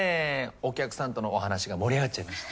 お客さんとのお話が盛り上がっちゃいまして。